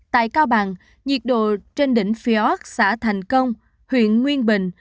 tại cao bằng nhiệt độ trên đỉnh phi oc xã thành công huyện nguyên bình